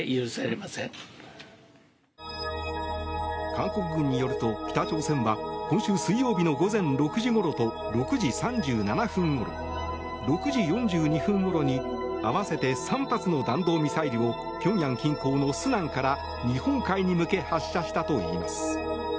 韓国軍によると、北朝鮮は今週水曜日の午前６時ごろと６時３７分ごろ６時４２分ごろに合わせて３発の弾道ミサイルをピョンヤン近郊のスナンから日本海に向け発射したといいます。